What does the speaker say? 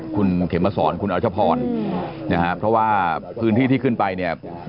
คุณเขมสอนคุณอรัชพรนะฮะเพราะว่าพื้นที่ที่ขึ้นไปเนี่ย